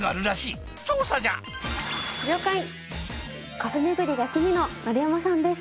カフェ巡りが趣味の丸山さんです。